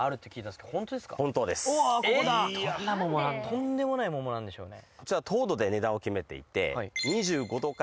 とんでもない桃なんでしょうね。